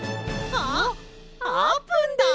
あっあーぷんです！